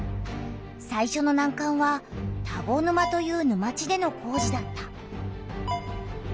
さいしょのなんかんは田子沼という沼地での工事だった。